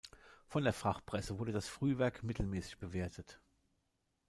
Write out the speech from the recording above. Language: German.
Von der Fachpresse wurde das Frühwerk mittelmäßig bewertet.